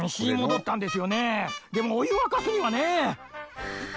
でもおゆわかすにはね。